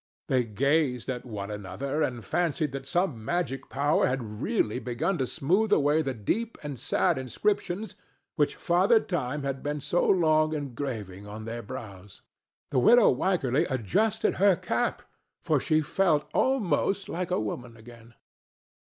They gazed at one another, and fancied that some magic power had really begun to smooth away the deep and sad inscriptions which Father Time had been so long engraving on their brows. The widow Wycherly adjusted her cap, for she felt almost like a woman again.